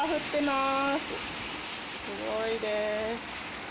すごいです。